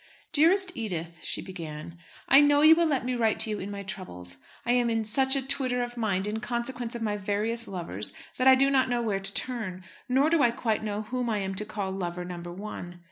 "Dearest Edith," she began, I know you will let me write to you in my troubles. I am in such a twitter of mind in consequence of my various lovers that I do not know where to turn; nor do I quite know whom I am to call lover number one.